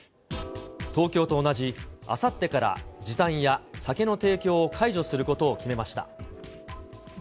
東京と同じ、あさってから時短や酒の提供を解除することを決めました。